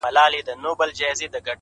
د وخت احترام د ژوند احترام دی,